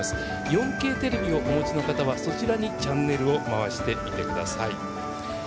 ４Ｋテレビをお持ちの方はそちらにチャンネルを回してみてください。